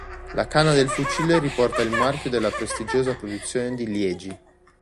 La canna del fucile riporta il marchio della prestigiosa produzione di Liegi.